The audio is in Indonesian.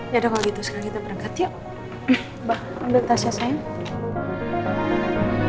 yaudah kalau gitu sekarang kita berangkat yuk